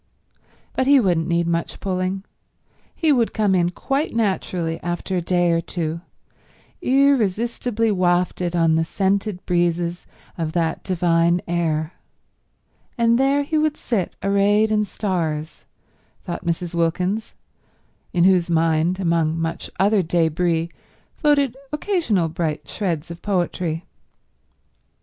But he wouldn't need much pulling. He would come in quite naturally after a day or two, irresistibly wafted on the scented breezes of that divine air; and there he would sit arrayed in stars, thought Mrs. Wilkins, in whose mind, among much other débris, floated occasional bright shreds of poetry.